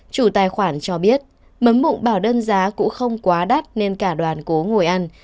chủ tài khoản cho biết mấm mụng bảo đơn giá cũng không quá đắt nên cả đoàn cố ngồi ăn